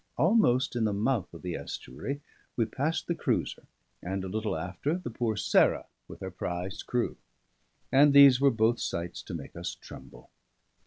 Almost in the mouth of the estuary, we passed the cruiser, and a little after the poor Sarah with her prize crew; and these were both sights to make us tremble.